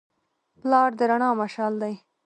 پلار د رڼا مشعل دی.